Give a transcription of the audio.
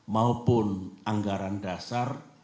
maupun anggaran dasar